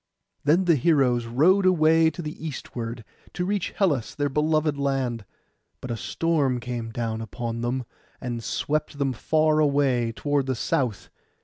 Then the heroes rowed away to the eastward, to reach Hellas, their beloved land; but a storm came down upon them, and swept them far away toward the south.